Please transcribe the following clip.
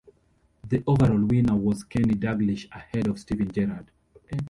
The overall winner was Kenny Dalglish ahead of Steven Gerrard.